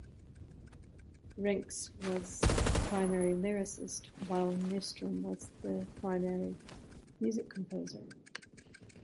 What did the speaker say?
Renkse was the primary lyricist, while Nystrom was the primary music composer.